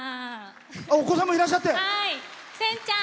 お子さんもいらっしゃって。